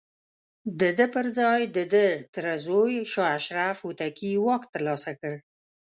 د ده پر ځاى د ده تره زوی شاه اشرف هوتکي واک ترلاسه کړ.